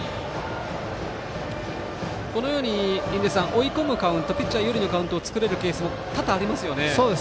追い込むカウントピッチャー有利のカウントを作れるケースも多々ありますよね。